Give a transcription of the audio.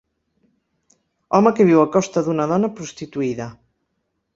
Home que viu a costa d'una dona prostituïda.